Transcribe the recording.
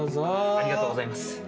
ありがとうございます。